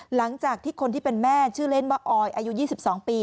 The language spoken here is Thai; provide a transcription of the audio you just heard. หลังจากที่คนที่เป็นแม่ชื่อเล่นว่าออยอายุ๒๒ปี